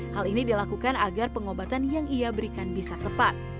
hal ini dilakukan agar pengobatan yang ia berikan bisa tepat